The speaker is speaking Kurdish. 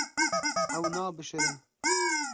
Ew nabişirin.